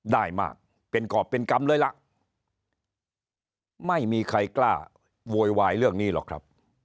ได้มากเป็นกรอบเป็นกรรมเลยล่ะไม่มีใครกล้าโวยวายเรื่องนี้หรอกครับ